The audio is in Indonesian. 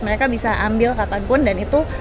mereka bisa ambil kapanpun dan itu